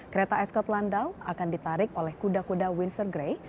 kereta ascot landau akan ditarik oleh kuda kuda windsor grey